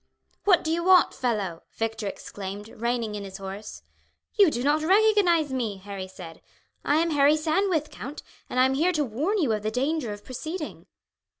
"What do you want, fellow?" Victor exclaimed, reining in his horse. "You do not recognize me!" Harry said. "I am Harry Sandwith, count, and I am here to warn you of the danger of proceeding."